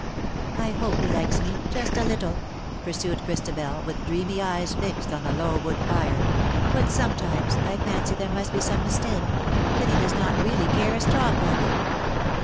''^^' I hope he likes me — just a little/^ pursued Christabel, with dreamy eyes fixed on the low wood fire ;^' but sometimes I fancy there must be some mistake — that he does not really care a straw for me.